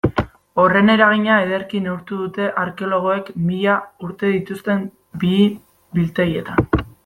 Horren eragina ederki neurtu dute arkeologoek mila urte dituzten bihi-biltegietan.